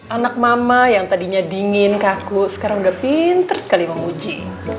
anak mama yang tadinya dingin kaku sekarang udah pinter sekali memuji